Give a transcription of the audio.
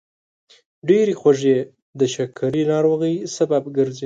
ډېرې خوږې د شکرې ناروغۍ سبب ګرځي.